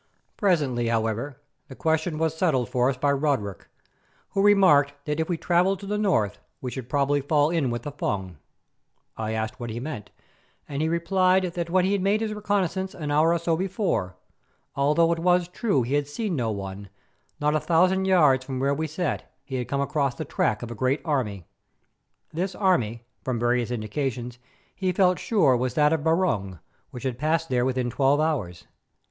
Presently, however, the question was settled for us by Roderick, who remarked that if we travelled to the north we should probably fall in with the Fung. I asked what he meant, and he replied that when he made his reconnaissance an hour or so before, although it was true that he had seen no one, not a thousand yards from where we sat he had come across the track of a great army. This army, from various indications, he felt sure was that of Barung, which had passed there within twelve hours.